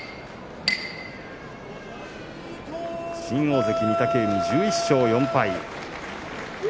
新大関御嶽海、１１勝４敗。